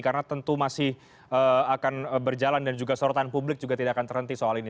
karena tentu masih akan berjalan dan juga sorotan publik juga tidak akan terhenti soal ini